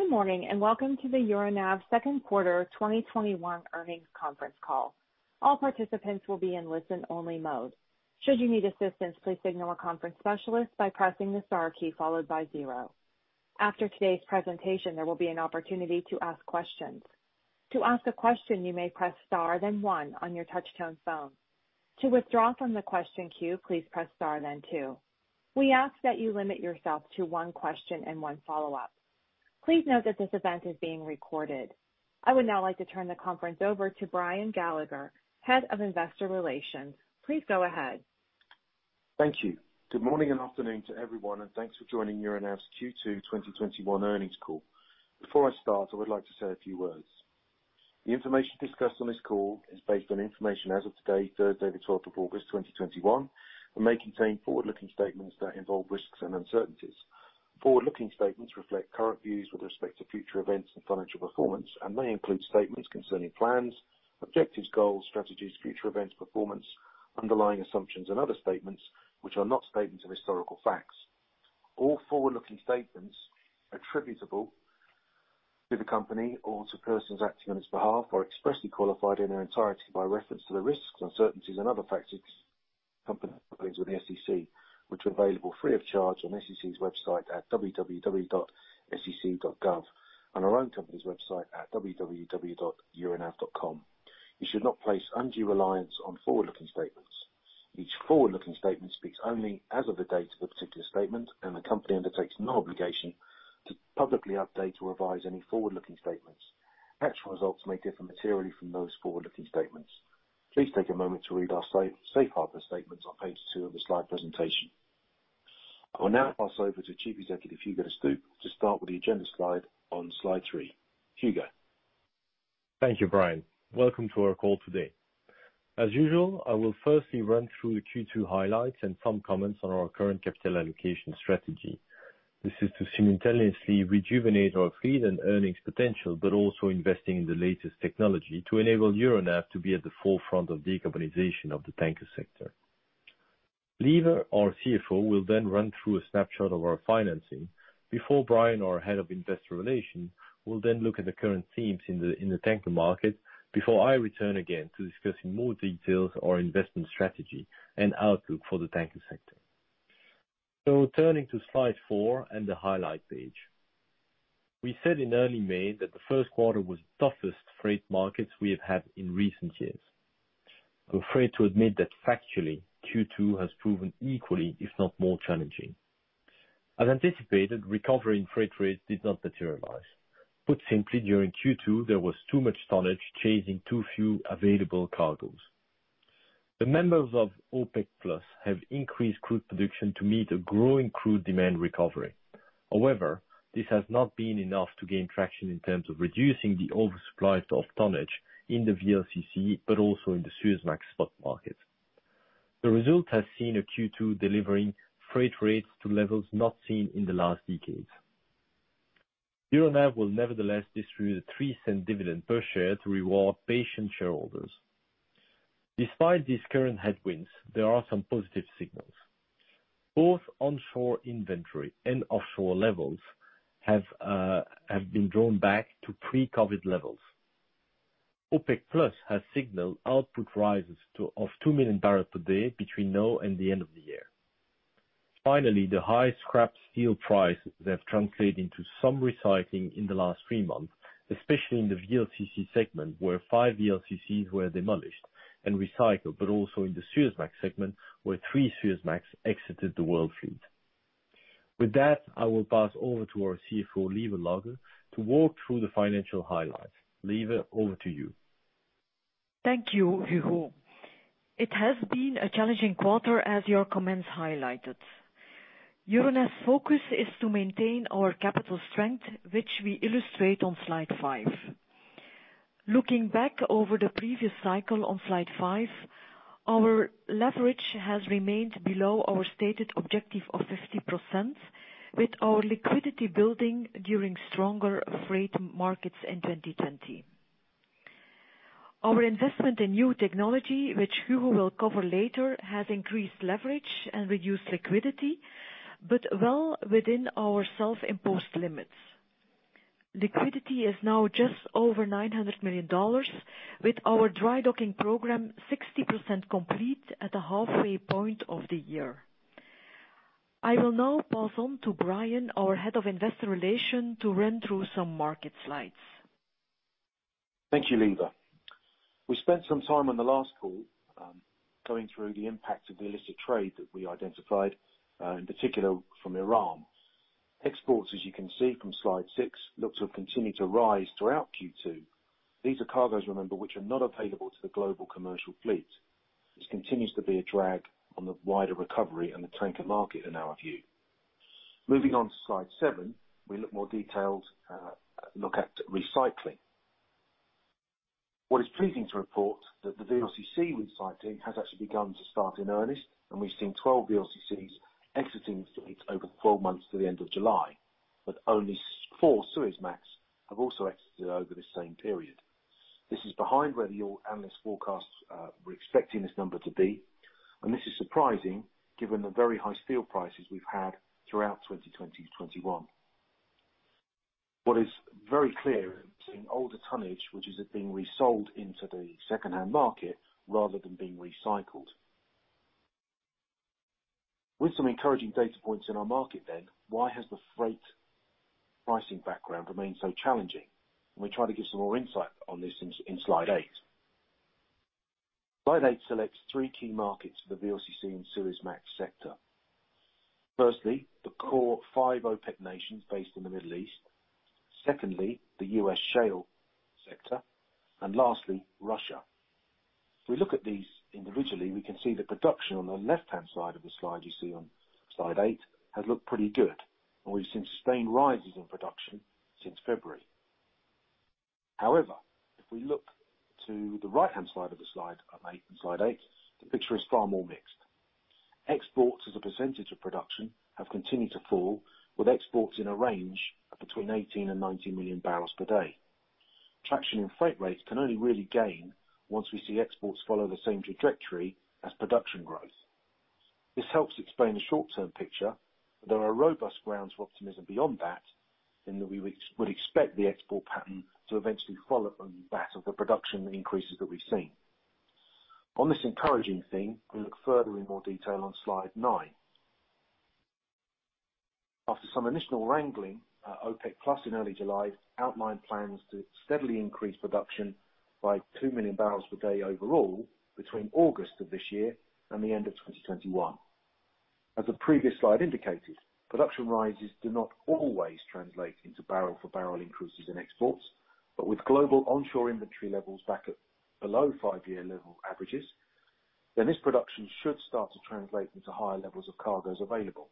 Good morning, and welcome to the Euronav second quarter 2021 earnings conference call. After today's presentation, there will be an opportunity to ask questions. We ask that you limit yourself to one question and one follow-up. Please note that this event is being recorded. I would now like to turn the conference over to Brian Gallagher, Head of Investor Relations. Please go ahead. Thank you. Good morning and afternoon to everyone, and thanks for joining Euronav's Q2 2021 earnings call. Before I start, I would like to say a few words. The information discussed on this call is based on information as of today, Thursday the 12th of August 2021, and may contain forward-looking statements that involve risks and uncertainties. Forward-looking statements reflect current views with respect to future events and financial performance and may include statements concerning plans, objectives, goals, strategies, future events, performance, underlying assumptions and other statements which are not statements of historical facts. All forward-looking statements attributable to the company or to persons acting on its behalf are expressly qualified in their entirety by reference to the risks, uncertainties and other factors company filings with the SEC, which are available free of charge on SEC's website at www.sec.gov and our own company's website at www.euronav.com. You should not place undue reliance on forward-looking statements. Each forward-looking statement speaks only as of the date of a particular statement. The company undertakes no obligation to publicly update or revise any forward-looking statements. Actual results may differ materially from those forward-looking statements. Please take a moment to read our safe harbor statements on page 2 of the Slide presentation. I will now pass over to Chief Executive Hugo De Stoop to start with the agenda Slide on Slide 3. Hugo. Thank you, Brian Gallagher. Welcome to our call today. As usual, I will firstly run through the Q2 highlights and some comments on our current capital allocation strategy. This is to simultaneously rejuvenate our fleet and earnings potential, but also investing in the latest technology to enable Euronav to be at the forefront of decarbonization of the tanker sector. Lieve Logghe, our Chief Financial Officer, will then run through a snapshot of our financing before Brian Gallagher, our Head of Investor Relations, will then look at the current themes in the tanker market before I return again to discuss in more details our investment strategy and outlook for the tanker sector. Turning to Slide 4 and the highlight page. We said in early May that the first quarter was the toughest freight market we have had in recent years. I'm afraid to admit that factually, Q2 has proven equally, if not more challenging. As anticipated, recovery in freight rates did not materialize. Put simply, during Q2, there was too much tonnage chasing too few available cargoes. The members of OPEC+ have increased crude production to meet a growing crude demand recovery. This has not been enough to gain traction in terms of reducing the oversupply of tonnage in the VLCC, but also in the Suezmax spot market. The result has seen a Q2 delivering freight rates to levels not seen in the last decade. Euronav will nevertheless distribute a $0.03 dividend per share to reward patient shareholders. Despite these current headwinds, there are some positive signals. Both onshore inventory and offshore levels have been drawn back to pre-COVID levels. OPEC+ has signaled output rises of 2 million barrels per day between now and the end of the year. Finally, the high scrap steel prices have translated into some recycling in the last three months, especially in the VLCC segment where five VLCCs were demolished and recycled, but also in the Suezmax segment, where three Suezmaxes exited the world fleet. With that, I will pass over to our CFO, Lieve Logghe, to walk through the financial highlights. Lieve, over to you. Thank you, Hugo. It has been a challenging quarter as your comments highlighted. Euronav's focus is to maintain our capital strength, which we illustrate on Slide 5. Looking back over the previous cycle on Slide 5, our leverage has remained below our stated objective of 50%, with our liquidity building during stronger freight markets in 2020. Our investment in new technology, which Hugo will cover later, has increased leverage and reduced liquidity, but well within our self-imposed limits. Liquidity is now just over $900 million, with our dry docking program 60% complete at the halfway point of the year. I will now pass on to Brian, our Head of Investor Relations, to run through some market slides. Thank you, Lieve. We spent some time on the last call, going through the impact of illicit trade that we identified, in particular from Iran. Exports, as you can see from Slide 6, look to have continued to rise throughout Q2. These are cargoes, remember, which are not available to the global commercial fleet. This continues to be a drag on the wider recovery and the tanker market in our view. Moving on to Slide 7, we look more detailed look at recycling. What is pleasing to report that the VLCC recycling has actually begun to start in earnest, and we've seen 12 VLCCs exiting fleets over 12 months to the end of July, but only four Suezmaxes have also exited over the same period. This is behind where the analyst forecasts were expecting this number to be. This is surprising given the very high steel prices we've had throughout 2020 to 2021. What is very clear in seeing older tonnage, which is it being resold into the secondhand market rather than being recycled. With some encouraging data points in our market, why has the freight pricing background remained so challenging? We try to give some more insight on this in Slide 8. Slide 8 selects three key markets for the VLCC and Suezmax sector. Firstly, the core 5 OPEC nations based in the Middle East. Secondly, the U.S. shale sector. Lastly, Russia. If we look at these individually, we can see that production on the left-hand side of the slide you see on Slide 8, has looked pretty good, and we've seen sustained rises in production since February. If we look to the right-hand side of the slide, on Slide 8, the picture is far more mixed. Exports as a percentage of production have continued to fall, with exports in a range of between 18 million and 19 million barrels per day. Traction in freight rates can only really gain, once we see exports follow the same trajectory as production growth. This helps explain the short-term picture, but there are robust grounds for optimism beyond that, in that we would expect the export pattern to eventually follow from that of the production increases that we've seen. On this encouraging theme, we look further in more detail on Slide 9. After some initial wrangling, OPEC+ in early July outlined plans to steadily increase production by 2 million barrels per day overall between August of this year and the end of 2021. As the previous slide indicated, production rises do not always translate into barrel-for-barrel increases in exports. With global onshore inventory levels back at below five-year level averages, this production should start to translate into higher levels of cargoes available.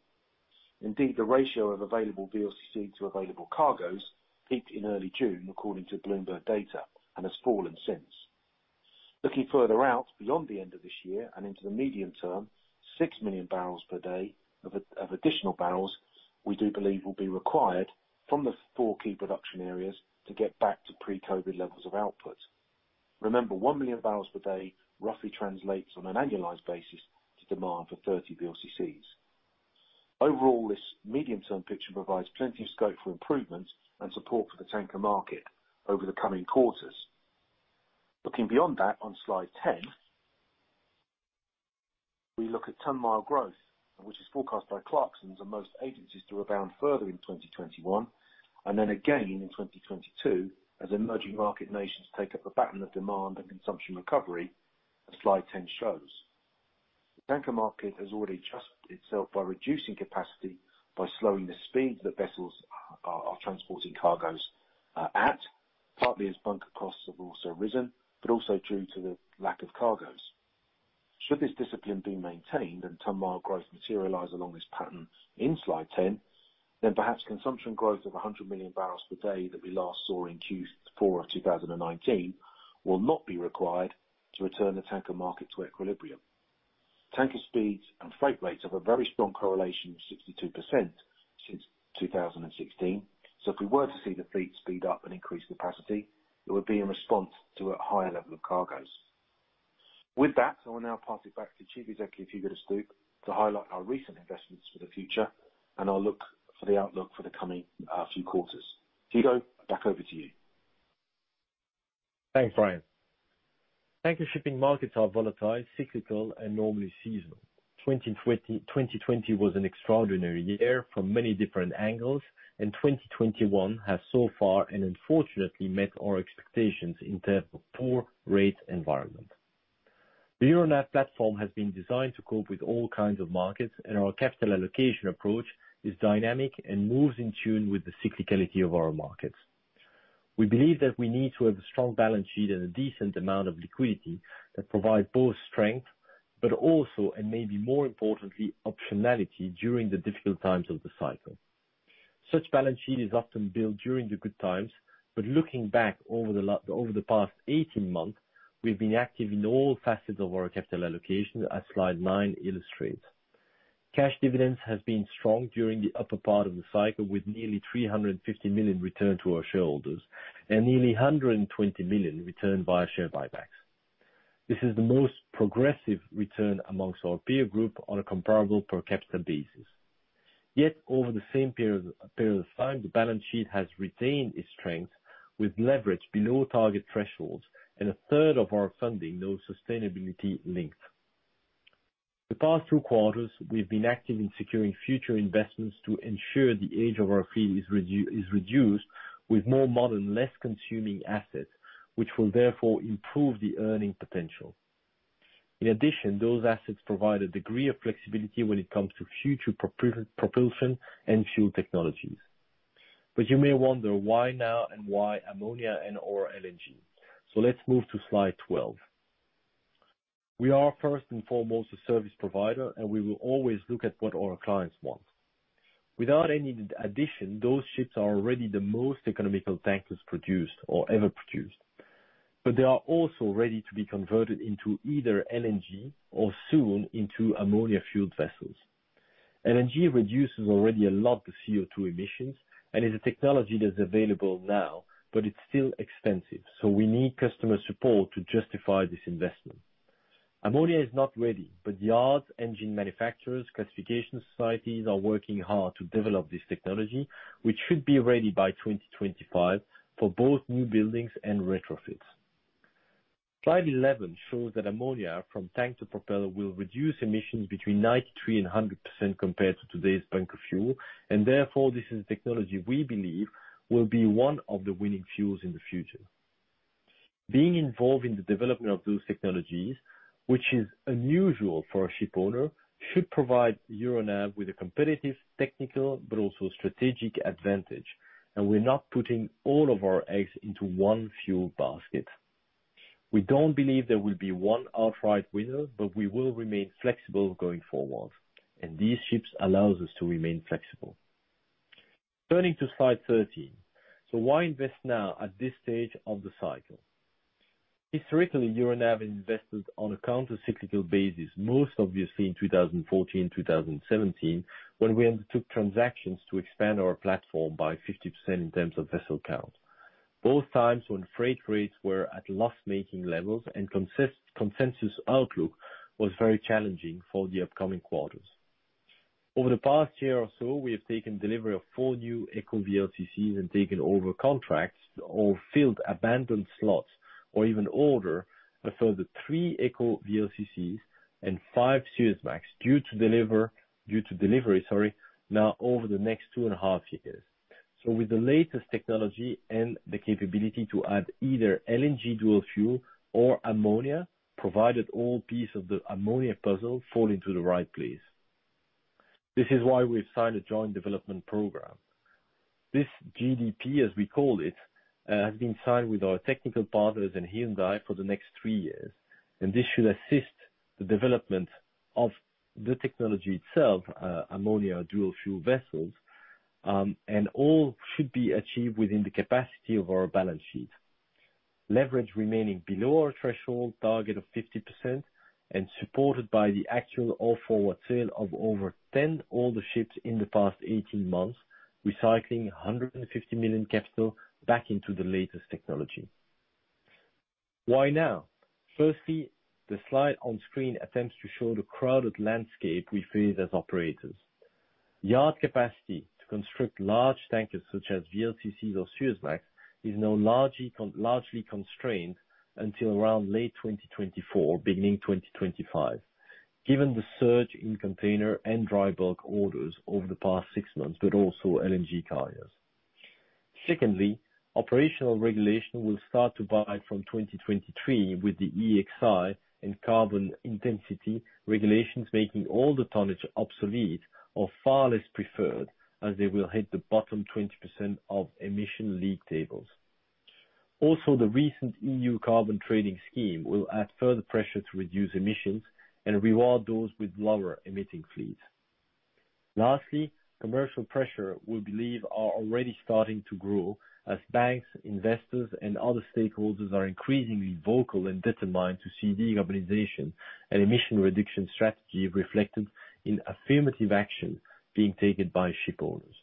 Indeed, the ratio of available VLCC to available cargoes peaked in early June, according to Bloomberg data, and has fallen since. Looking further out, beyond the end of this year and into the medium term, 6 million barrels per day of additional barrels, we do believe will be required from the 4 key production areas to get back to pre-COVID levels of output. Remember, 1 million barrels per day roughly translates on an annualized basis to demand for 30 VLCCs. Overall, this medium-term picture provides plenty of scope for improvement and support for the tanker market over the coming quarters. Looking beyond that on Slide 10, we look at ton-mile growth, which is forecast by Clarksons and most agencies to rebound further in 2021. Again in 2022, as emerging market nations take up the baton of demand and consumption recovery as Slide 10 shows. The tanker market has already adjusted itself by reducing capacity, by slowing the speeds that vessels are transporting cargoes at, partly as bunker costs have also risen, but also due to the lack of cargoes. Should this discipline be maintained and ton-mile growth materialize along this pattern in Slide 10, then perhaps consumption growth of 100 million barrels per day that we last saw in Q4 of 2019 will not be required to return the tanker market to equilibrium. Tanker speeds and freight rates have a very strong correlation of 62% since 2016. If we were to see the fleet speed up and increase capacity, it would be in response to a higher level of cargoes. With that, I will now pass it back to Chief Executive Hugo De Stoop to highlight our recent investments for the future and our look for the outlook for the coming few quarters. Hugo, back over to you. Thanks, Brian. Tanker shipping markets are volatile, cyclical, and normally seasonal. 2020 was an extraordinary year from many different angles, and 2021 has so far, and unfortunately, met our expectations in terms of poor rate environment. The Euronav platform has been designed to cope with all kinds of markets, and our capital allocation approach is dynamic and moves in tune with the cyclicality of our markets. We believe that we need to have a strong balance sheet and a decent amount of liquidity that provide both strength, but also, and maybe more importantly, optionality during the difficult times of the cycle. Such balance sheet is often built during the good times, but looking back over the past 18 months, we've been active in all facets of our capital allocation, as Slide 9 illustrates. Cash dividends have been strong during the upper part of the cycle, with nearly $350 million returned to our shareholders and nearly $120 million returned via share buybacks. This is the most progressive return amongst our peer group on a comparable per capita basis. Yet over the same period of time, the balance sheet has retained its strength with leverage below target thresholds and a third of our funding now sustainability-linked. The past two quarters, we've been active in securing future investments to ensure the age of our fleet is reduced with more modern, less-consuming assets, which will therefore improve the earning potential. In addition, those assets provide a degree of flexibility when it comes to future propulsion and fuel technologies. You may wonder why now and why ammonia and/or LNG. Let's move to Slide 12. We are first and foremost a service provider, and we will always look at what our clients want. Without any addition, those ships are already the most economical tankers produced or ever produced. They are also ready to be converted into either LNG or soon into ammonia-fueled vessels. LNG reduces already a lot of CO2 emissions and is a technology that's available now, but it's still expensive, so we need customer support to justify this investment. Ammonia is not ready, but yards, engine manufacturers, classification societies are working hard to develop this technology, which should be ready by 2025 for both newbuildings and retrofits. Slide 11 shows that ammonia from tank to propeller will reduce emissions between 93% and 100% compared to today's bunker fuel, and therefore, this is technology we believe will be one of the winning fuels in the future. Being involved in the development of those technologies, which is unusual for a ship owner, should provide Euronav with a competitive technical but also strategic advantage, and we're not putting all of our eggs into one fuel basket. We don't believe there will be one outright winner, but we will remain flexible going forward, and these ships allow us to remain flexible. Turning to Slide 13. Why invest now at this stage of the cycle? Historically, Euronav invested on a counter-cyclical basis, most obviously in 2014, 2017, when we undertook transactions to expand our platform by 50% in terms of vessel count. Both times when freight rates were at loss-making levels and consensus outlook was very challenging for the upcoming quarters. Over the past year or so, we have taken delivery of four new eco VLCCs and taken over contracts or filled abandoned slots or even order a further three Eco VLCCs and five Suezmax due to delivery now over the next two and a half years. With the latest technology and the capability to add either LNG dual-fuel or ammonia, provided all piece of the ammonia puzzle fall into the right place. This is why we've signed a joint development program. This JDP, as we call it, has been signed with our technical partners in Hyundai for the next three years, and this should assist the development of the technology itself, ammonia dual-fuel vessels, and all should be achieved within the capacity of our balance sheet. Leverage remaining below our threshold target of 50% and supported by the actual all-forward sale of over 10 older ships in the past 18 months, recycling $150 million capital back into the latest technology. Why now? The slide on screen attempts to show the crowded landscape we face as operators. Yard capacity to construct large tankers such as VLCCs or Suezmax is now largely constrained until around late 2024, beginning 2025, given the surge in container and dry bulk orders over the past six months, but also LNG carriers. Operational regulation will start to bite from 2023, with the EEXI and carbon intensity regulations making all the tonnage obsolete or far less preferred as they will hit the bottom 20% of emission league tables. The recent EU carbon trading scheme will add further pressure to reduce emissions and reward those with lower-emitting fleets. Lastly, commercial pressure, we believe, are already starting to grow as banks, investors, and other stakeholders are increasingly vocal and determined to see decarbonization and emission reduction strategy reflected in affirmative action being taken by ship owners.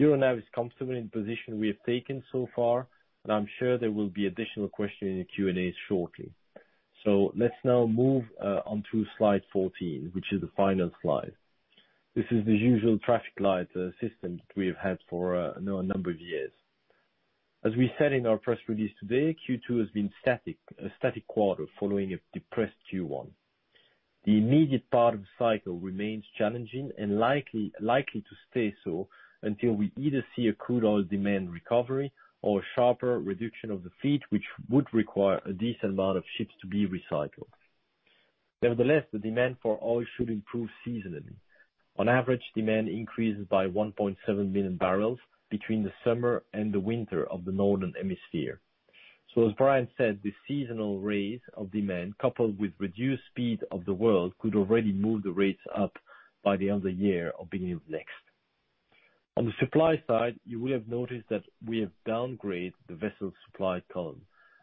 Euronav is comfortable in the position we have taken so far, I'm sure there will be additional questioning in the Q&A shortly. Let's now move onto Slide 14, which is the final Slide. This is the usual traffic light system that we have had for a number of years. As we said in our press release today, Q2 has been a static quarter following a depressed Q1. The immediate part of the cycle remains challenging and likely to stay so until we either see a crude oil demand recovery or a sharper reduction of the fleet, which would require a decent amount of ships to be recycled. Nevertheless, the demand for oil should improve seasonally. On average, demand increases by 1.7 million barrels between the summer and the winter of the Northern Hemisphere. As Brian said, the seasonal raise of demand, coupled with reduced speed of the world, could already move the rates up by the end of the year or beginning of next. On the supply side, you will have noticed that we have downgraded the vessel supply column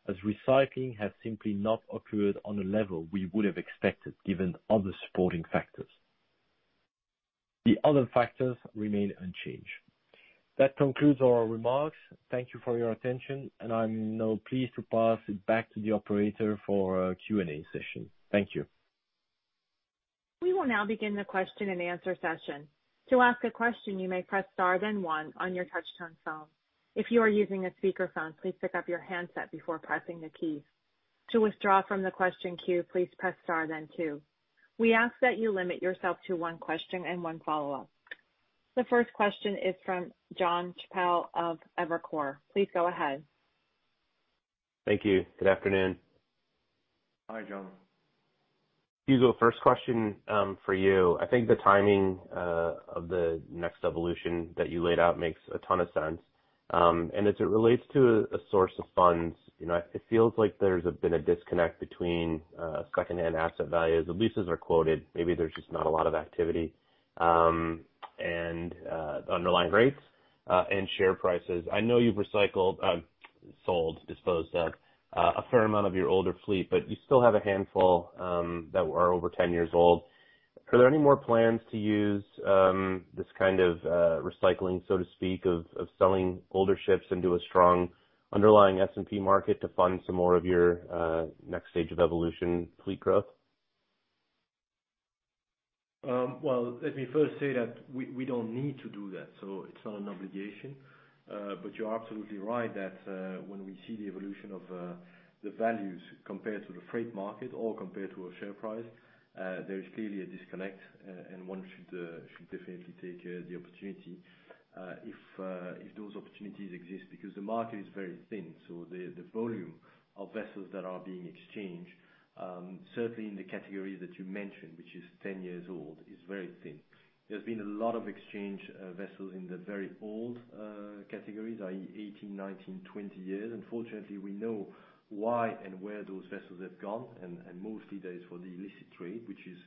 as recycling has simply not occurred on a level we would have expected, given other supporting factors. The other factors remain unchanged. That concludes our remarks. Thank you for your attention, and I'm now pleased to pass it back to the operator for a Q&A session. Thank you. We will now begin the question and answer session. To ask a question, you may press star then one on your touch-tone phone. If you are using a speakerphone, please pick up your handset before pressing the keys. To withdraw from the question queue, please press star then two. We ask that you limit yourself to one question and one follow-up. The first question is from Jon Chappell of Evercore. Please go ahead. Thank you. Good afternoon. Hi, Jon. Hugo, first question for you. I think the timing of the next evolution that you laid out makes a ton of sense. As it relates to a source of funds, it feels like there's been a disconnect between secondhand asset values. The leases are quoted, maybe there's just not a lot of activity, and underlying rates and share prices. I know you've recycled sold, disposed of, a fair amount of your older fleet, but you still have a handful that are over 10 years old. Are there any more plans to use this kind of recycling, so to speak, of selling older ships into a strong underlying S&P market to fund some more of your next stage of evolution fleet growth? Let me first say that we don't need to do that, so it's not an obligation. You're absolutely right that when we see the evolution of the values compared to the freight market or compared to our share price, there is clearly a disconnect, and one should definitely take the opportunity if those opportunities exist, because the market is very thin. The volume of vessels that are being exchanged, certainly in the category that you mentioned, which is 10 years old, is very thin. There's been a lot of exchange vessels in the very old categories, i.e., 18, 19, 20 years. Unfortunately, we know why and where those vessels have gone, and mostly that is for the illicit trade, which is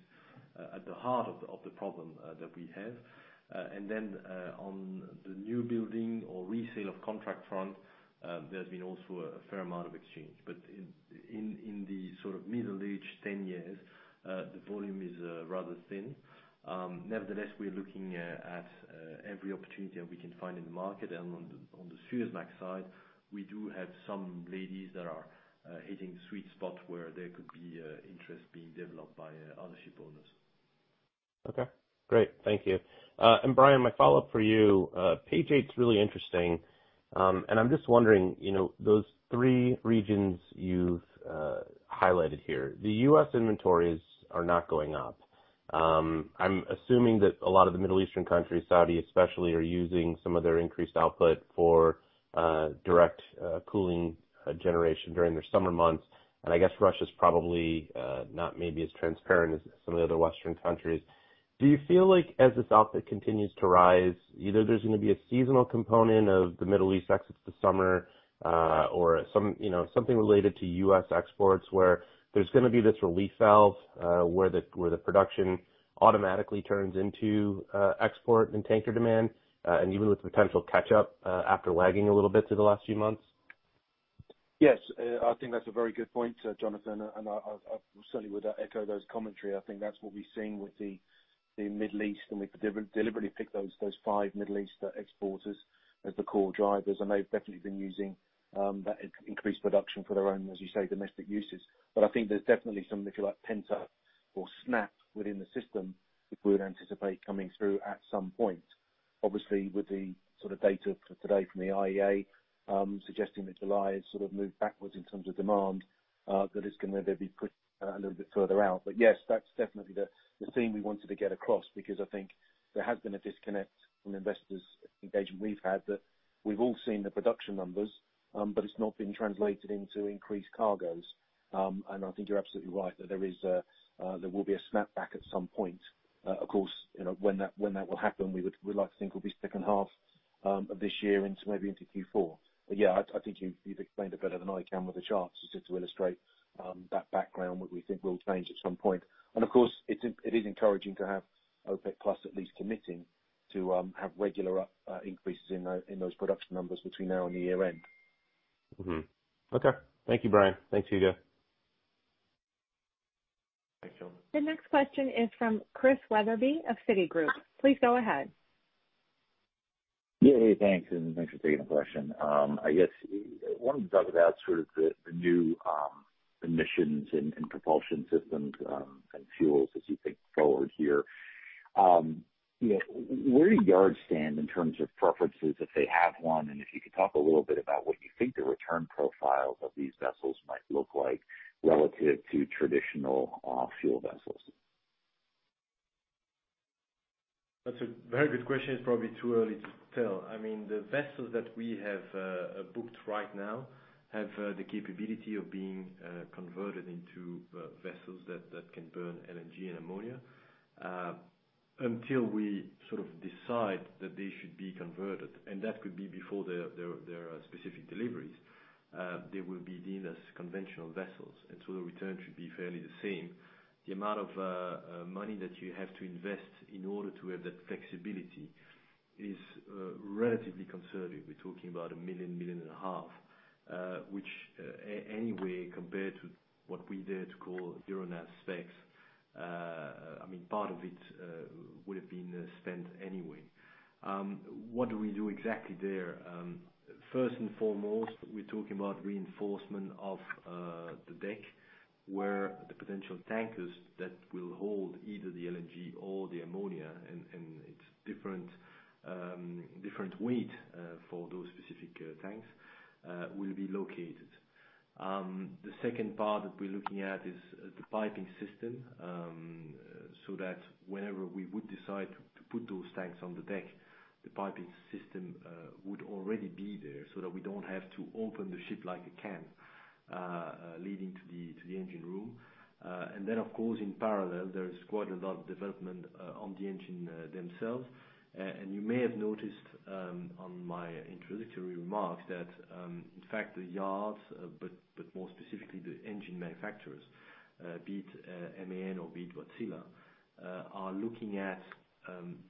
at the heart of the problem that we have. Then, on the newbuilding or resale of contract front, there has been also a fair amount of exchange. In the sort of middle age, 10 years, the volume is rather thin. Nevertheless, we are looking at every opportunity that we can find in the market. On the Suezmax side, we do have some ladies that are hitting sweet spots where there could be interest being developed by other ship owners. Okay, great. Thank you. Brian, my follow-up for you, page 8 is really interesting. I'm just wondering, those three regions you've highlighted here, the U.S. inventories are not going up. I'm assuming that a lot of the Middle Eastern countries, Saudi especially, are using some of their increased output for direct cooling generation during their summer months, and I guess Russia's probably not maybe as transparent as some of the other Western countries. Do you feel like as this output continues to rise, either there's going to be a seasonal component of the Middle East exit to summer, or something related to U.S. exports, where there's going to be this relief valve, where the production automatically turns into export and tanker demand, and even with potential catch-up after lagging a little bit through the last few months? Yes, I think that's a very good point, Jonathan, and I certainly would echo those commentary. I think that's what we're seeing with the Middle East, and we deliberately picked those five Middle East exporters as the core drivers, and they've definitely been using that increased production for their own, as you say, domestic uses. I think there's definitely some little pent-up or snap within the system which we would anticipate coming through at some point. Obviously, with the data today from the IEA suggesting that July has sort of moved backwards in terms of demand, that is going to maybe be pushed a little bit further out. Yes, that's definitely the theme we wanted to get across, because I think there has been a disconnect from investors engagement we've had, that we've all seen the production numbers, but it's not been translated into increased cargoes. I think you're absolutely right, that there will be a snapback at some point. Of course, when that will happen, we would like to think it will be second half of this year into maybe into Q4. Yeah, I think you've explained it better than I can with the charts, just to illustrate that background, what we think will change at some point. Of course, it is encouraging to have OPEC+ at least committing to have regular increases in those production numbers between now and the year-end. Okay. Thank you, Brian. Thanks, Hugo. Thanks, Jon. The next question is from Chris Wetherbee of Citigroup. Please go ahead. Yeah. Thanks, and thanks for taking the question. I guess I wanted to talk about sort of the new emissions and propulsion systems and fuels as you think forward here. Where do yards stand in terms of preferences, if they have one, and if you could talk a little bit about what you think the return profiles of these vessels might look like relative to traditional fuel vessels? That's a very good question. It's probably too early to tell. The vessels that we have booked right now have the capability of being converted into vessels that can burn LNG and ammonia. Until we decide that they should be converted, and that could be before their specific deliveries, they will be deemed as conventional vessels, and so the return should be fairly the same. The amount of money that you have to invest in order to have that flexibility is relatively conservative. We're talking about $1 million, $1.5 million. Which, anyway, compared to what we dare to call Euronav specs, part of it would have been spent anyway. What do we do exactly there? First and foremost, we're talking about reinforcement of the deck, where the potential tankers that will hold either the LNG or the ammonia, and its different weight for those specific tanks, will be located. The second part that we're looking at is the piping system, so that whenever we would decide to put those tanks on the deck, the piping system would already be there, so that we don't have to open the ship like a can, leading to the engine room. Then, of course, in parallel, there is quite a lot of development on the engine themselves. You may have noticed on my introductory remarks that in fact, the yards, but more specifically the engine manufacturers, be it MAN or be it Wärtsilä, are looking at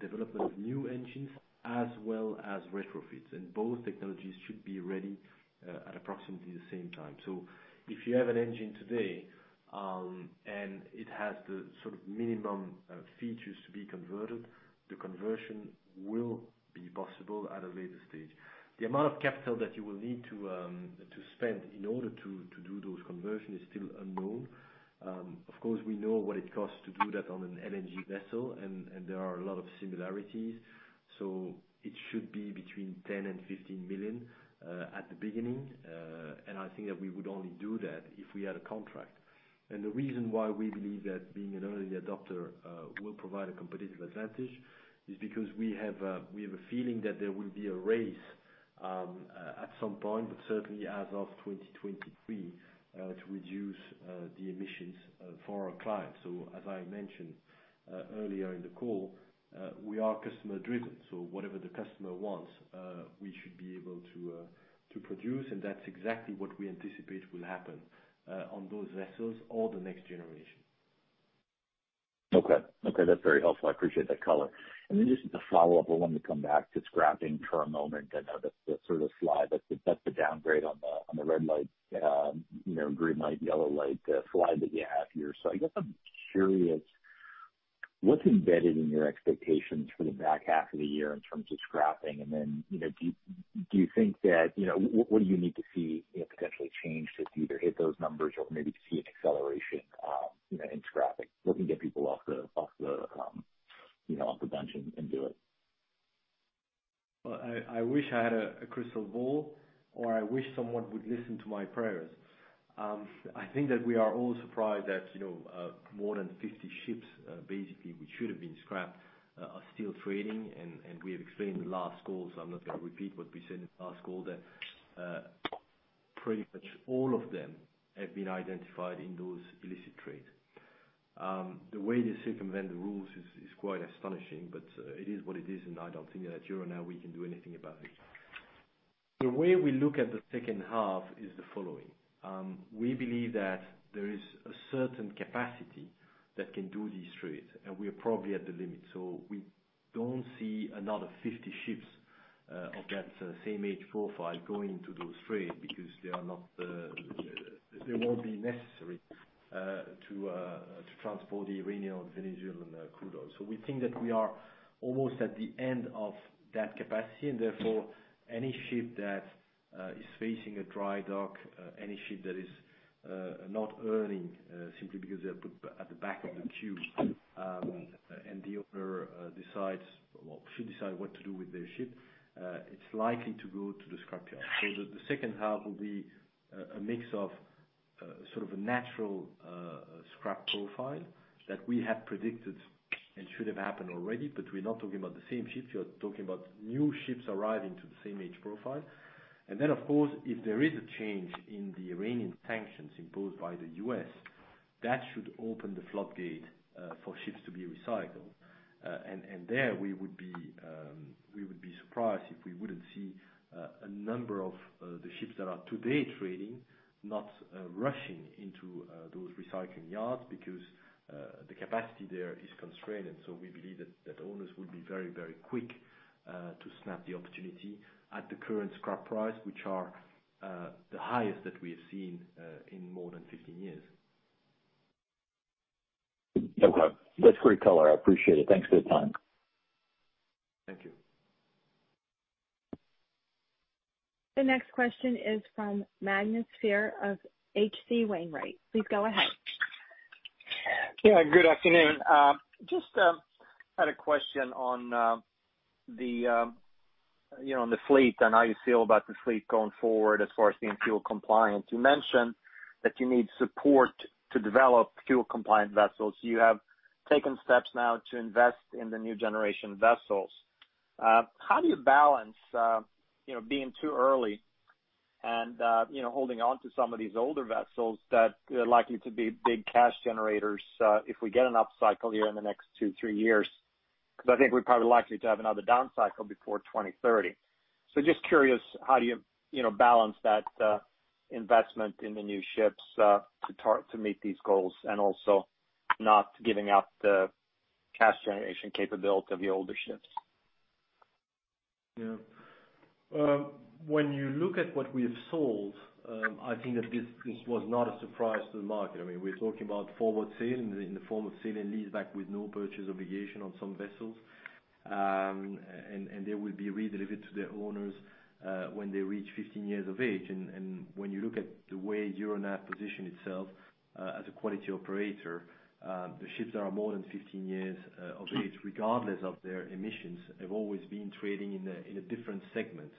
development of new engines, as well as retrofits, and both technologies should be ready at approximately the same time. If you have an engine today, and it has the minimum features to be converted, the conversion will be possible at a later stage. The amount of capital that you will need to spend in order to do those conversions is still unknown. Of course, we know what it costs to do that on an LNG vessel, and there are a lot of similarities. It should be between 10 million and 15 million at the beginning. I think that we would only do that if we had a contract. The reason why we believe that being an early adopter will provide a competitive advantage is because we have a feeling that there will be a race at some point, but certainly as of 2023, to reduce the emissions for our clients. As I mentioned earlier in the call, we are customer-driven. Whatever the customer wants, we should be able to produce, and that's exactly what we anticipate will happen on those vessels or the next generation. Okay. That's very helpful. I appreciate that color. Then just a follow-up. I wanted to come back to scrapping for a moment. I know that Slide, that's the downgrade on the red light, green light, yellow light Slide that you have here. I guess I'm curious, what's embedded in your expectations for the back half of the year in terms of scrapping? Then, do you think what do you need to see potentially change to either hit those numbers or maybe see an acceleration in scrapping, looking to get people off the bench and do it? Well, I wish I had a crystal ball, or I wish someone would listen to my prayers. I think that we are all surprised that more than 50 ships, basically, which should have been scrapped, are still trading. We have explained the last call, so I'm not going to repeat what we said in the last call, that pretty much all of them have been identified in those illicit trades. The way they circumvent the rules is quite astonishing, but it is what it is, and I don't think that at Euronav we can do anything about it. The way we look at the second half is the following. We believe that there is a certain capacity that can do these trades, and we are probably at the limit. We don't see another 50 ships of that same age profile going into those trades because they won't be necessary to transport the Iranian and Venezuelan crude oil. We think that we are almost at the end of that capacity, and therefore, any ship that is facing a dry dock, any ship that is not earning simply because they are put at the back of the queue, and the owner decides, well, she decide what to do with their ship, it's likely to go to the scrapyard. The second half will be a mix of a natural scrap profile that we had predicted and should have happened already. We're not talking about the same ships. We are talking about new ships arriving to the same age profile. Of course, if there is a change in the Iranian sanctions imposed by the U.S., that should open the floodgate for ships to be recycled. There, we would be surprised if we wouldn't see a number of the ships that are today trading, not rushing into those recycling yards because the capacity there is constrained. We believe that owners would be very quick to snap the opportunity at the current scrap price, which are the highest that we have seen in more than 15 years. Okay. That's great color. I appreciate it. Thanks for the time. Thank you. The next question is from Magnus Fyhr of H.C. Wainwright. Please go ahead. Yeah, good afternoon. Just had a question on the fleet and how you feel about the fleet going forward as far as being fuel compliant. You mentioned that you need support to develop fuel compliant vessels. You have taken steps now to invest in the new generation vessels. How do you balance being too early and holding onto some of these older vessels that are likely to be big cash generators if we get an upcycle year in the next two, three years? I think we're probably likely to have another down cycle before 2030. Just curious, how do you balance that investment in the new ships to meet these goals and also not giving up the cash generation capability of the older ships? When you look at what we have sold, I think that this was not a surprise to the market. We're talking about forward sale in the form of sale and lease back with no purchase obligation on some vessels. They will be redelivered to their owners when they reach 15 years of age. When you look at the way Euronav positions itself as a quality operator, the ships are more than 15 years of age, regardless of their emissions, have always been trading in a different segment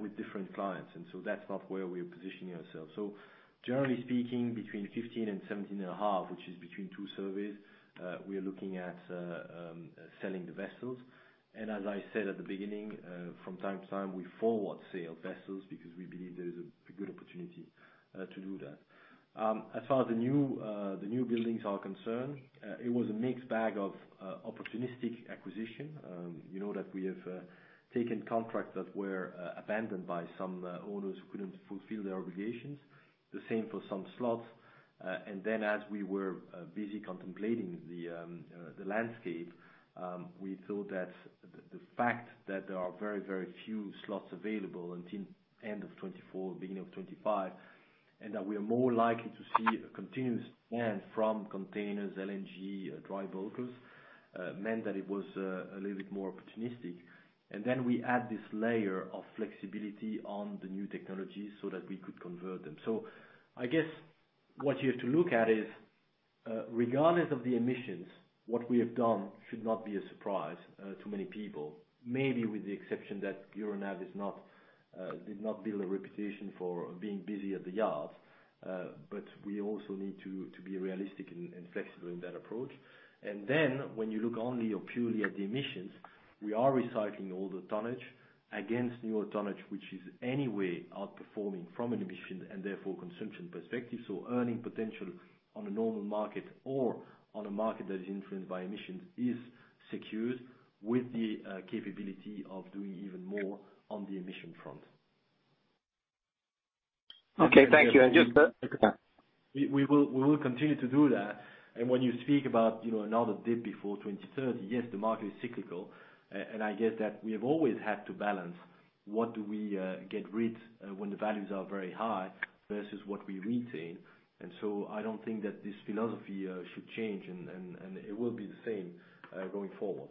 with different clients. That's not where we are positioning ourselves. Generally speaking, between 15 and 17.5, which is between two surveys, we are looking at selling the vessels. As I said at the beginning, from time to time, we forward sale vessels because we believe there is a good opportunity to do that. As far as the newbuildings are concerned, it was a mixed bag of opportunistic acquisition. You know that we have taken contracts that were abandoned by some owners who couldn't fulfill their obligations. The same for some slots. Then as we were busy contemplating the landscape, we thought that the fact that there are very, very few slots available until end of 2024, beginning of 2025, and that we are more likely to see a continuous demand from containers, LNG, dry bulkers, meant that it was a little bit more opportunistic. Then we add this layer of flexibility on the new technology so that we could convert them. I guess what you have to look at is, regardless of the emissions, what we have done should not be a surprise to many people. Maybe with the exception that Euronav did not build a reputation for being busy at the yard. We also need to be realistic and flexible in that approach. When you look only or purely at the emissions, we are recycling older tonnage against newer tonnage, which is anyway outperforming from an emission and therefore consumption perspective. Earning potential on a normal market or on a market that is influenced by emissions is secured with the capability of doing even more on the emission front. Okay. Thank you. We will continue to do that. When you speak about another dip before 2030, yes, the market is cyclical. I guess that we have always had to balance what do we get rid when the values are very high versus what we retain. I don't think that this philosophy should change, and it will be the same going forward.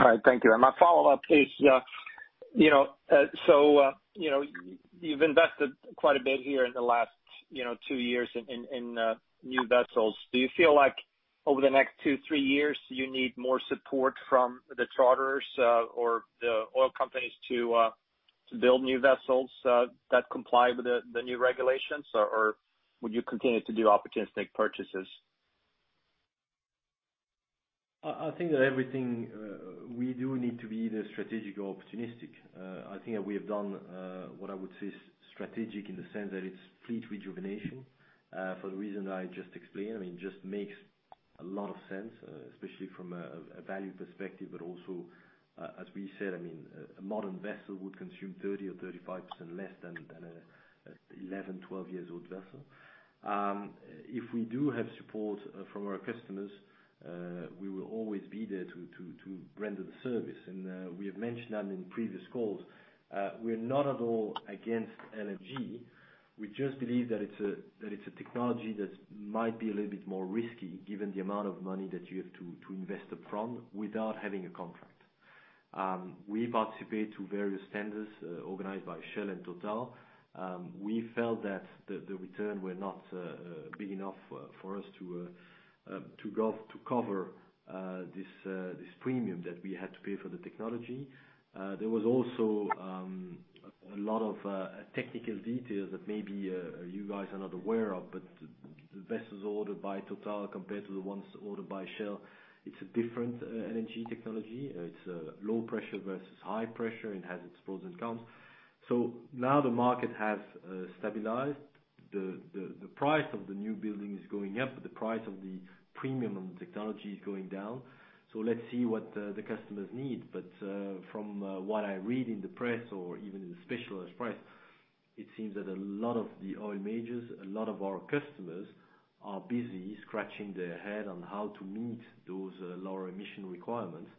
All right, thank you. My follow-up is, you've invested quite a bit here in the last two years in new vessels. Do you feel like over the next two, three years, you need more support from the charterers or the oil companies to build new vessels that comply with the new regulations? Will you continue to do opportunistic purchases? I think that everything we do need to be either strategic or opportunistic. I think that we have done what I would say is strategic in the sense that it's fleet rejuvenation for the reason I just explained. It just makes a lot of sense, especially from a value perspective, but also, as we said, a modern vessel would consume 30% or 35% less than an 11, 12 years old vessel. If we do have support from our customers, we will always be there to render the service. We have mentioned that in previous calls. We are not at all against LNG. We just believe that it's a technology that might be a little bit more risky given the amount of money that you have to invest upfront without having a contract. We participate to various tenders organized by Shell and TotalEnergies. We felt that the return were not big enough for us to cover this premium that we had to pay for the technology. There was also a lot of technical details that maybe you guys are not aware of. The vessels ordered by TotalEnergies compared to the ones ordered by Shell, it's a different LNG technology. It's low pressure versus high pressure. It has its pros and cons. Now the market has stabilized. The price of the new building is going up. The price of the premium on the technology is going down. Let's see what the customers need. From what I read in the press or even in the specialized press, it seems that a lot of the oil majors, a lot of our customers are busy scratching their head on how to meet those lower emission requirements.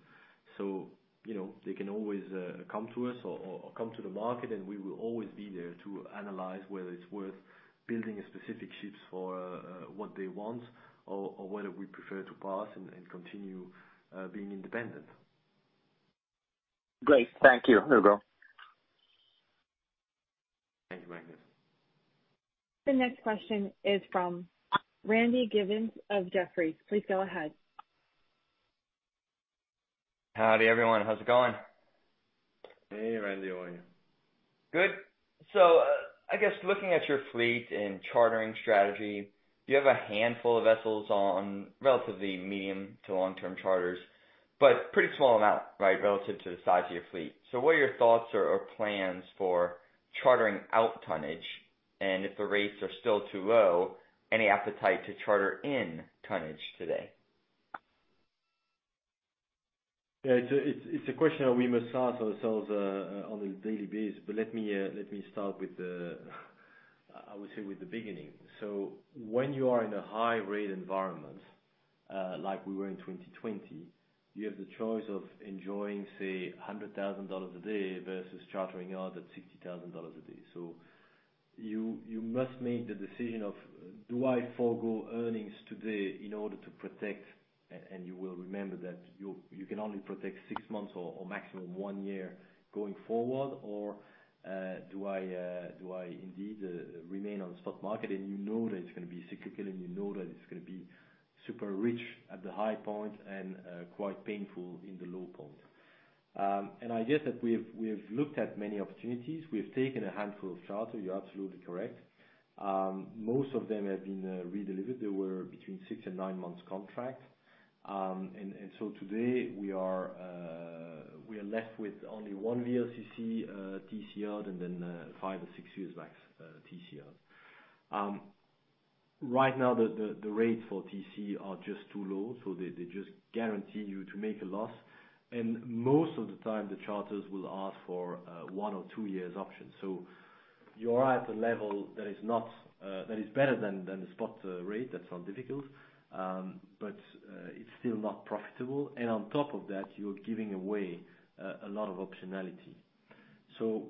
They can always come to us or come to the market, and we will always be there to analyze whether it's worth building specific ships for what they want or whether we prefer to pass and continue being independent. Great. Thank you, Hugo. Thank you, Magnus. The next question is from Randy Giveans of Jefferies. Please go ahead. Howdy, everyone. How's it going? Hey, Randy. How are you? Good. I guess looking at your fleet and chartering strategy, you have a handful of vessels on relatively medium to long-term charters, but pretty small amount, right, relative to the size of your fleet. What are your thoughts or plans for chartering out tonnage? If the rates are still too low, any appetite to charter in tonnage today? Yeah. It's a question that we must ask ourselves on a daily basis. Let me start with the beginning. When you are in a high rate environment, like we were in 2020, you have the choice of enjoying, say, $100,000 a day versus chartering out at $60,000 a day. You must make the decision of do I forgo earnings today in order to protect. You will remember that you can only protect six months or maximum one year going forward. Do I indeed remain on the stock market? You know that it's going to be cyclical, and you know that it's going to be super rich at the high point and quite painful in the low point. I guess that we have looked at many opportunities. We have taken a handful of charter. You're absolutely correct. Most of them have been redelivered. They were between six and nine months contract. Today, we are left with only one VLCC TC out, and then five or six Suezmaxes TC out. Right now, the rates for TC are just too low, so they just guarantee you to make a loss. Most of the time, the charters will ask for one or two years option. You are at a level that is better than the spot rate. That's not difficult. It's still not profitable. On top of that, you're giving away a lot of optionality.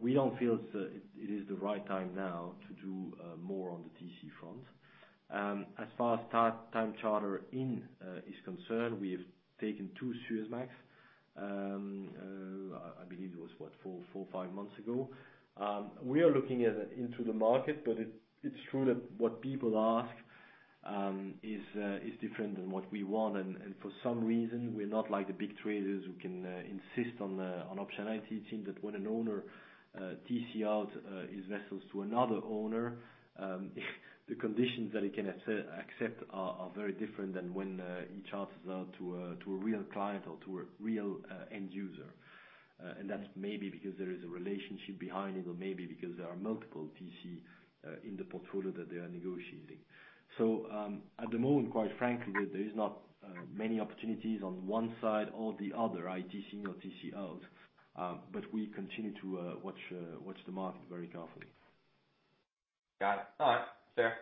We don't feel it is the right time now to do more on the TC front. As far as time charter in is concerned, we have taken two Suezmaxes. I believe it was what, four or five months ago? We are looking into the market, but it's true that what people ask is different than what we want. For some reason, we're not like the big traders who can insist on optionality. It seems that when an owner TC-out his vessels to another owner, the conditions that he can accept are very different than when he charters out to a real client or to a real end user. That's maybe because there is a relationship behind it, or maybe because there are multiple TC-in the portfolio that they are negotiating. At the moment, quite frankly, there is not many opportunities on one side or the other, TC-ins or TC-outs. We continue to watch the market very carefully. Got it. All right. Fair.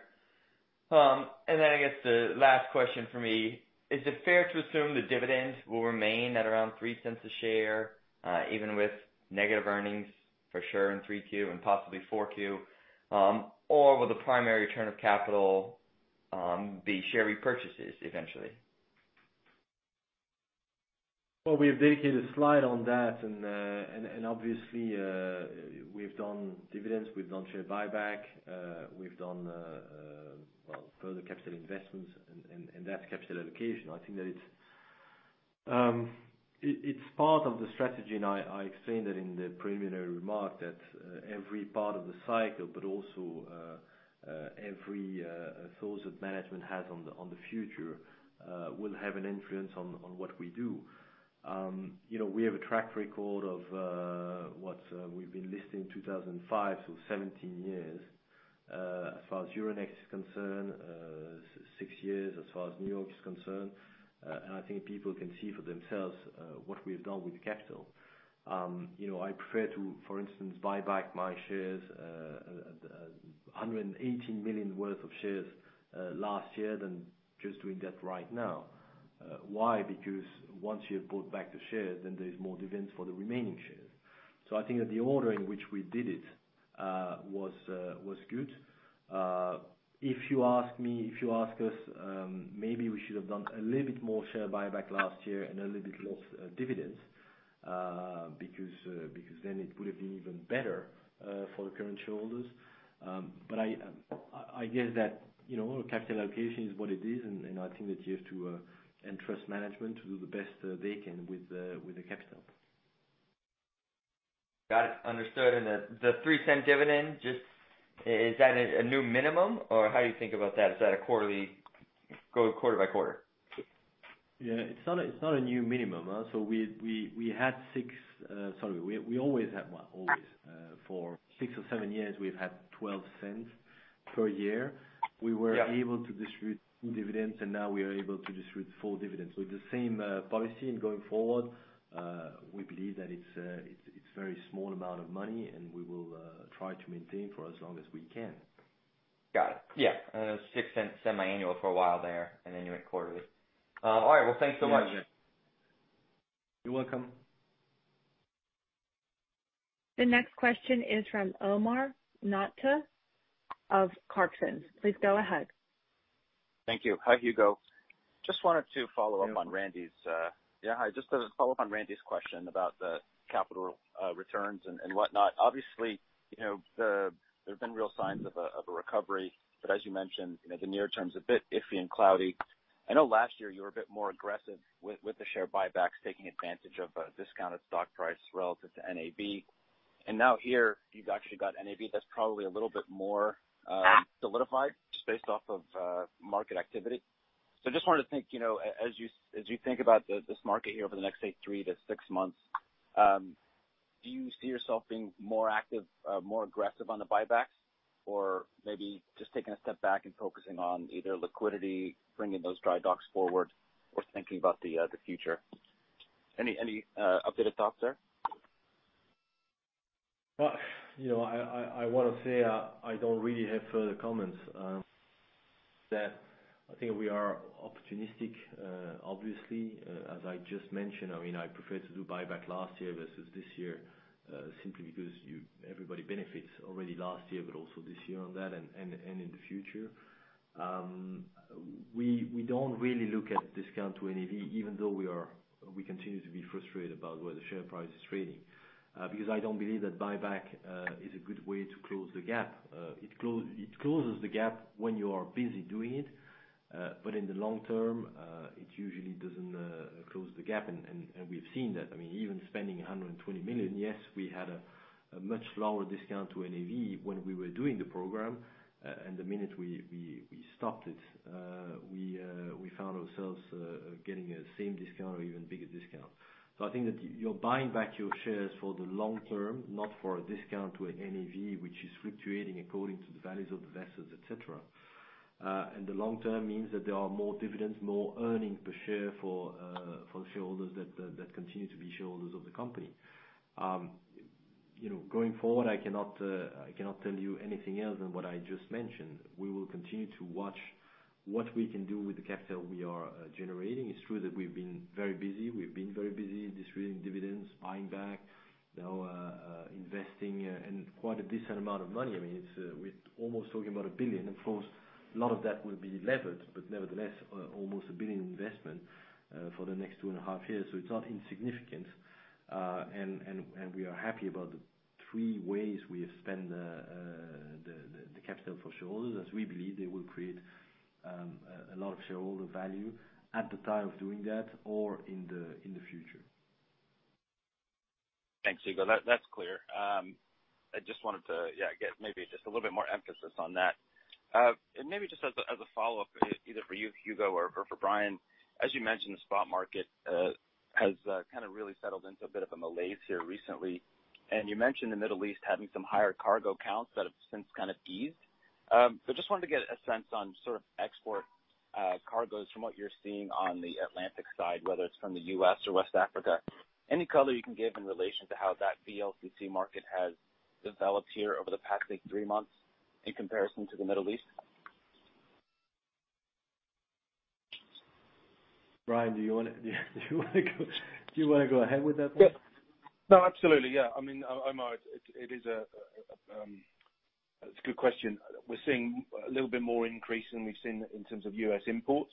I guess the last question for me, is it fair to assume the dividends will remain at around $0.03 a share, even with negative earnings for sure in Q3 and possibly Q4? Or will the primary return of capital be share repurchases eventually? Well, we have dedicated a slide on that, obviously, we've done dividends, we've done share buyback, we've done further capital investments, and that's capital allocation. I think that it's part of the strategy, I explained that in the preliminary remark that every part of the cycle, also every thought that management has on the future will have an influence on what we do. We have a track record of what we've been listing 2005, 17 years. As far as Euronext is concerned, six years as far as New York is concerned. I think people can see for themselves what we've done with the capital. I prefer to, for instance, buy back my shares, $118 million worth of shares last year than just doing that right now. Why? Because once you have bought back the shares, there's more dividends for the remaining shares. I think that the order in which we did it was good. If you ask us, maybe we should have done a little bit more share buyback last year and a little bit less dividends, because then it would have been even better for the current shareholders. I guess that capital allocation is what it is, and I think that you have to entrust management to do the best they can with the capital. Got it. Understood. The $0.03 dividend, is that a new minimum, or how do you think about that? Is that a quarterly go quarter by quarter? It's not a new minimum. We always have one. For six or seven years, we've had $0.12 per year. Yeah. We were able to distribute dividends, and now we are able to distribute the full dividends. It's the same policy, and going forward, we believe that it's very small amount of money, and we will try to maintain for as long as we can. Got it. Yeah. $0.06 semi-annual for a while there. You went quarterly. All right. Well, thanks so much. You're welcome. The next question is from Omar Nokta of Clarksons. Please go ahead. Thank you. Hi, Hugo. Just wanted to follow up on Randy's question about the capital returns and whatnot. Obviously, there have been real signs of a recovery, but as you mentioned, the near term is a bit iffy and cloudy. I know last year you were a bit more aggressive with the share buybacks, taking advantage of a discounted stock price relative to NAV. Now here, you've actually got NAV that's probably a little bit more solidified just based off of market activity. I just wanted to think, as you think about this market here over the next, say, three to six months, do you see yourself being more active, more aggressive on the buybacks? Or maybe just taking a step back and focusing on either liquidity, bringing those dry docks forward, or thinking about the future? Any updated thoughts there? I want to say I don't really have further comments. I think we are opportunistic. Obviously, as I just mentioned, I prefer to do buyback last year versus this year, simply because everybody benefits already last year, but also this year on that, and in the future. We don't really look at discount to NAV, even though we continue to be frustrated about where the share price is trading. I don't believe that buyback is a good way to close the gap. In the long term, it usually doesn't close the gap, and we've seen that. Even spending 120 million, yes, we had a much lower discount to NAV when we were doing the program. The minute we stopped it, we found ourselves getting a same discount or even bigger discount. I think that you're buying back your shares for the long term, not for a discount to a NAV, which is fluctuating according to the values of the vessels, et cetera. The long term means that there are more dividends, more earnings per share for shareholders that continue to be shareholders of the company. Going forward, I cannot tell you anything else than what I just mentioned. We will continue to watch what we can do with the capital we are generating. It's true that we've been very busy. We've been very busy distributing dividends, buying back, now investing, and quite a decent amount of money. We're almost talking about $1 billion. Of course, a lot of that will be levered, but nevertheless, almost a $1 billion investment for the next two and half years, so it's not insignificant. We are happy about the three ways we have spent the capital for shareholders, as we believe they will create a lot of shareholder value at the time of doing that or in the future. Thanks, Hugo. That's clear. I just wanted to get maybe just a little bit more emphasis on that. Maybe just as a follow-up, either for you, Hugo, or for Brian. As you mentioned, the spot market has really settled into a bit of a malaise here recently. You mentioned the Middle East having some higher cargo counts that have since kind of eased. Just wanted to get a sense on export cargoes from what you're seeing on the Atlantic side, whether it's from the U.S. or West Africa. Any color you can give in relation to how that VLCC market has developed here over the past three months in comparison to the Middle East? Brian, do you want to go ahead with that one? No, absolutely. Yeah. Omar, it's a good question. We're seeing a little bit more increase than we've seen in terms of U.S. imports,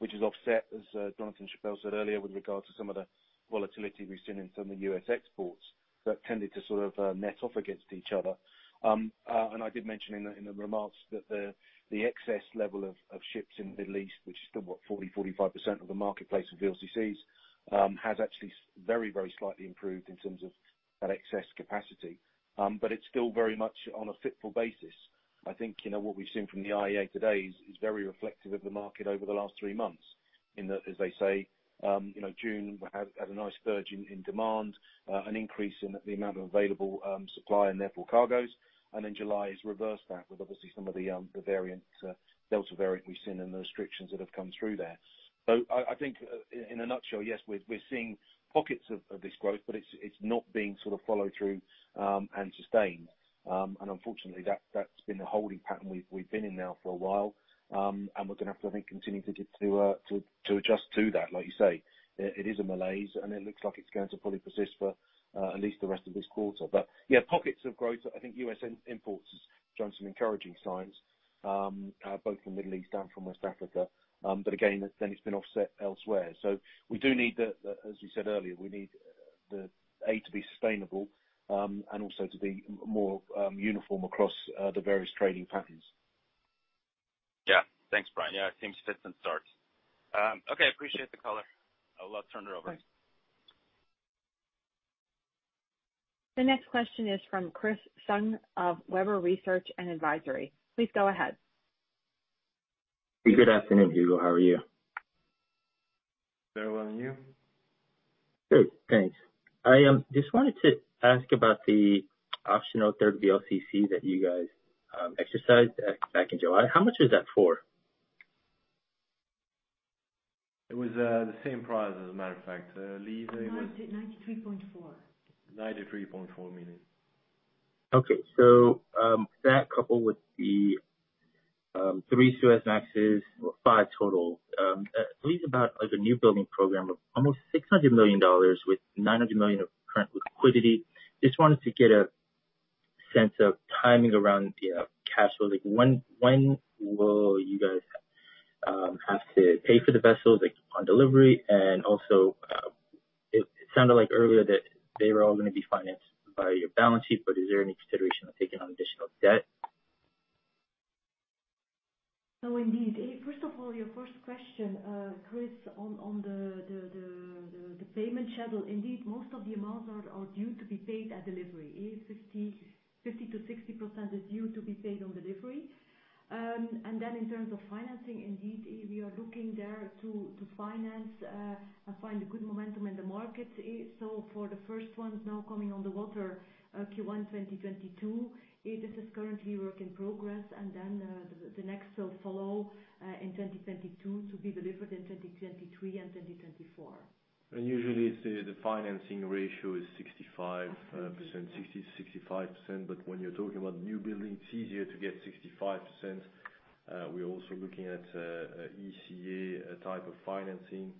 which is offset, as Jon Chappell said earlier, with regard to some of the volatility we've seen in some of the U.S. exports that tended to sort of net off against each other. I did mention in the remarks that the excess level of ships in the Middle East, which is still 40%, 45% of the marketplace of VLCCs, has actually very, very slightly improved in terms of that excess capacity. It's still very much on a fitful basis. I think what we've seen from the IEA today is very reflective of the market over the last three months. In that, as they say, June had a nice surge in demand, an increase in the amount of available supply, and therefore cargoes, July has reversed that with obviously some of the variants, Delta variant we've seen, and the restrictions that have come through there. I think in a nutshell, yes, we're seeing pockets of this growth, but it's not being followed through and sustained. Unfortunately, that's been the holding pattern we've been in now for a while. We're going to have to, I think, continue to adjust to that. Like you say, it is a malaise, and it looks like it's going to probably persist for at least the rest of this quarter. Yeah, pockets of growth. I think U.S. imports has shown some encouraging signs, both from Middle East and from West Africa. Again, it's been offset elsewhere. We do need the, as we said earlier, we need the, A, to be sustainable, and also to be more uniform across the various trading patterns. Yeah. Thanks, Brian. Yeah, it seems fit and starts. Okay, appreciate the color. I'll turn it over. Thanks. The next question is from Chris Tsung of Webber Research & Advisory. Please go ahead. Good afternoon, Hugo. How are you? Very well. You? Good, thanks. I just wanted to ask about the optional third VLCC that you guys exercised back in July. How much was that for? It was the same price, as a matter of fact. Lieve, do you know- 93.4 93.4 million. Okay. That coupled with the three Suezmaxes, five total. Lieve, about the new building program of almost $600 million with $900 million of current liquidity, just wanted to get a sense of timing around the cash flow. When will you guys have to pay for the vessels upon delivery? It sounded like earlier that they were all going to be financed by your balance sheet, but is there any consideration of taking on additional debt? Indeed. First of all, your first question, Chris, on the payment schedule. Indeed, most of the amounts are due to be paid at delivery. 50%-60% is due to be paid on delivery. In terms of financing, indeed, we are looking there to finance and find a good momentum in the market. For the first ones now coming on the water Q1 2022, this is currently work in progress, and then the next will follow in 2022 to be delivered in 2023 and 2024. Usually, the financing ratio is 65%. 60% 60%, 65%. When you're talking about new building, it's easier to get 65%. We're also looking at ECA type of financing,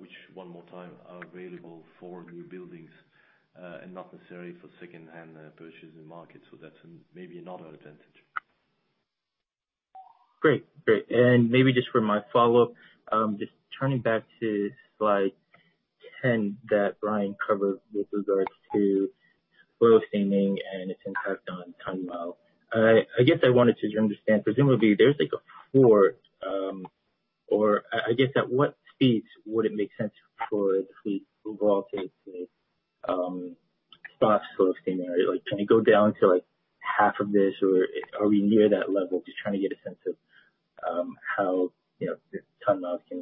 which one more time are available for newbuildings and not necessarily for secondhand purchase in market. That's maybe another advantage. Great. Maybe just for my follow-up, just turning back to Slide 10 that Brian covered with regards to slow steaming and its impact on ton-mile. I guess I wanted to understand, presumably there's or I guess at what speeds would it make sense for the fleet to move off its spot slow steaming? Can it go down to half of this or are we near that level? Just trying to get a sense of how ton-mile can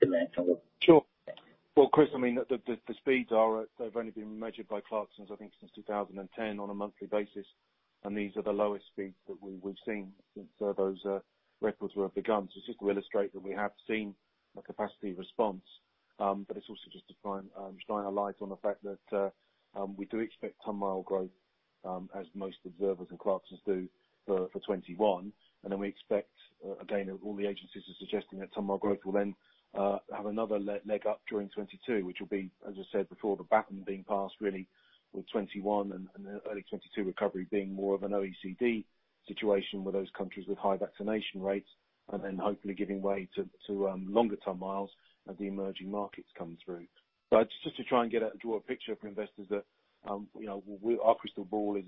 demand somewhere. Well, Chris, the speeds have only been measured by Clarksons, I think, since 2010 on a monthly basis, and these are the lowest speeds that we've seen since those records were begun. It's just to illustrate that we have seen a capacity response, but it's also just to shine a light on the fact that we do expect ton-mile growth, as most observers and Clarksons do, for 2021. Then we expect, again, all the agencies are suggesting that ton-mile growth will then have another leg up during 2022, which will be, as I said before, the baton being passed really with 2021 and the early 2022 recovery being more of an OECD situation where those countries with high vaccination rates, then hopefully giving way to longer ton-miles as the emerging markets come through. Just to try and draw a picture for investors that our crystal ball is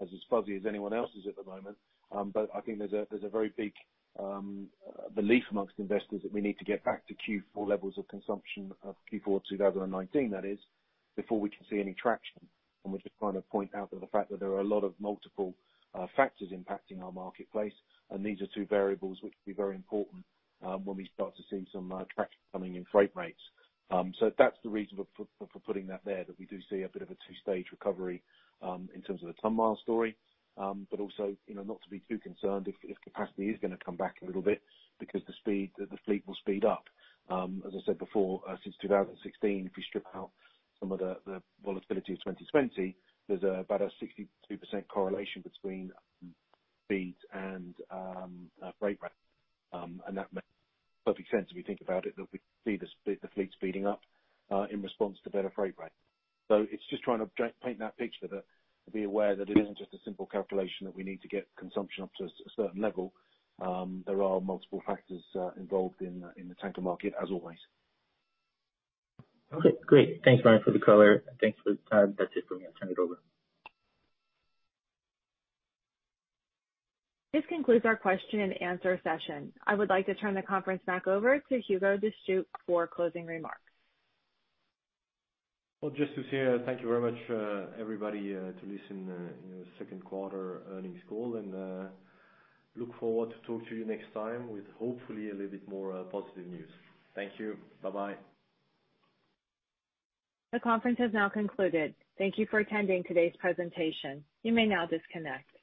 as fuzzy as anyone else's at the moment. I think there's a very big belief amongst investors that we need to get back to Q4 levels of consumption, of Q4 2019 that is, before we can see any traction. We're just trying to point out the fact that there are a lot of multiple factors impacting our marketplace, and these are two variables which will be very important when we start to see some traction coming in freight rates. That's the reason for putting that there, that we do see a bit of a two-stage recovery in terms of the ton-mile story. Also, not to be too concerned if capacity is going to come back a little bit because the fleet will speed up. As I said before, since 2016, if you strip out some of the volatility of 2020, there is about a 62% correlation between speeds and freight rate. That makes perfect sense if you think about it, that we see the fleet speeding up in response to better freight rate. It is just trying to paint that picture, that to be aware that it is not just a simple calculation that we need to get consumption up to a certain level. There are multiple factors involved in the tanker market as always. Okay, great. Thanks, Brian, for the color. Thanks for the time. That's it for me. I'll turn it over. This concludes our question and answer session. I would like to turn the conference back over to Hugo De Stoop for closing remarks. Just to say thank you very much, everybody, to listen in our second quarter earnings call, and look forward to talk to you next time with hopefully a little bit more positive news. Thank you. Bye-bye. The conference has now concluded. Thank you for attending today's presentation. You may now disconnect.